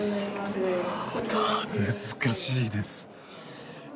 難しいです。